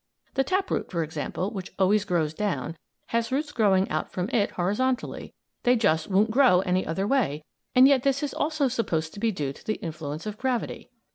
The tap root, for example, which always grows down, has roots growing out from it horizontally. They just won't grow any other way, and yet this is also supposed to be due to the influence of gravity.